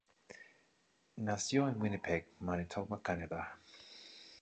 Nació en Winnipeg, Manitoba Canadá.